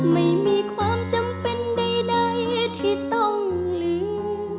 ไม่มีความจำเป็นใดที่ต้องลืม